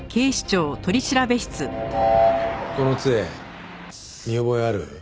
この杖見覚えある？